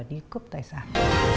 là đi cướp tài sản